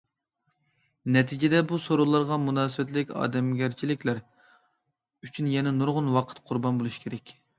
نەتىجىدە بۇ سورۇنلارغا مۇناسىۋەتلىك« ئادەمگەرچىلىكلەر» ئۈچۈن يەنە نۇرغۇن ۋاقىت قۇربان بولۇشى كېرەك.